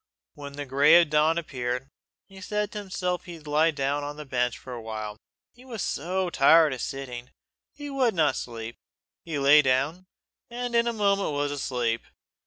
When the grey of the dawn appeared, he said to himself he would lie down on the bench a while, he was so tired of sitting; he would not sleep. He lay down, and in a moment was asleep.